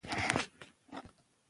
ړوند، ړنده، ړانده